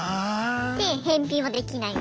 で返品はできない。